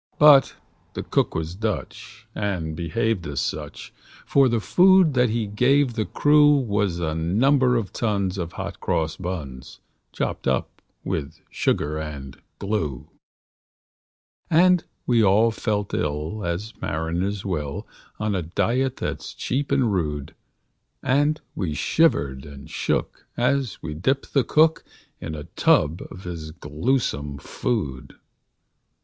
But the cook was Dutch, and behaved as such; For the food that he gave the crew Was a number of tons of hot cross buns, Chopped up with sugar and glue. And we all felt ill as mariners will, On a diet that's cheap and rude; And we shivered and shook as we dipped the cook In a tub of his gluesome food.